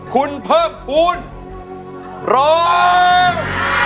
คุณเพิ่มภูมิร้อง